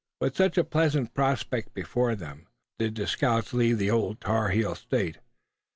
With such a pleasant prospect before them, did the scouts leave the Old Tar heel State.